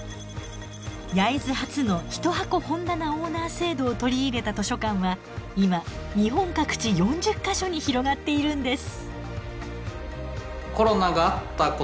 焼津発の一箱本棚オーナー制度を取り入れた図書館は今日本各地４０か所に広がっているんです。